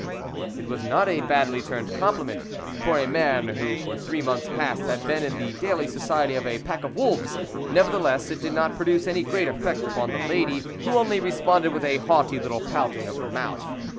It was not a badly turned compliment for a man who for three months past had been in the daily society of a pack of wolves; nevertheless it did not produce any great effect upon the lady, who only responded with a haughty little pouting of the mouth.